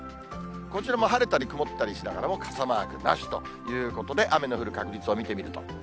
こちらも晴れたり曇ったりしながらも、傘マークなしということで、雨の降る確率を見てみると。